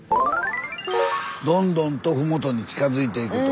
どんどんと麓に近づいていくと。